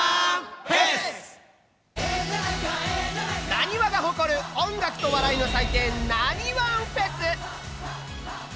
なにわが誇る音楽と笑いの祭典「なにわんＦＥＳ」！